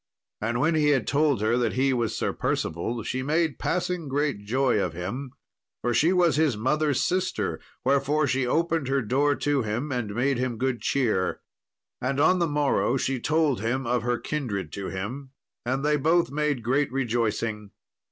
And when he had told her that he was Sir Percival, she made passing great joy of him, for she was his mother's sister, wherefore she opened her door to him, and made him good cheer. And on the morrow she told him of her kindred to him, and they both made great rejoicing.